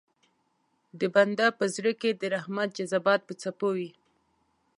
د بنده په زړه کې د رحمت جذبات په څپو وي.